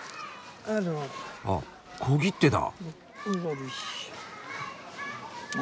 あっ小切手だ。